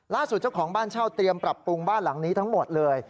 เจ้าของบ้านเช่าเตรียมปรับปรุงบ้านหลังนี้ทั้งหมดเลย